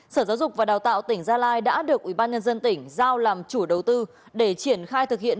sở giáo dục và đào tạo tỉnh gia lai đã được ubnd tỉnh giao làm chủ đầu tư để triển khai thực hiện